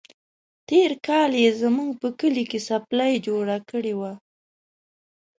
تېر کال يې زموږ په کلي کې څپلۍ جوړه کړې وه.